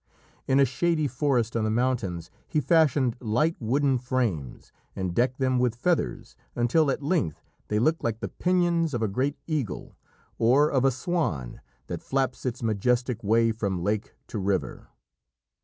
In a shady forest on the mountains he fashioned light wooden frames and decked them with feathers, until at length they looked like the pinions of a great eagle, or of a swan that flaps its majestic way from lake to river.